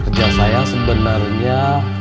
kerja saya sebenarnya